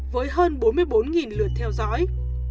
với hơn bốn mươi bốn lượt theo dõi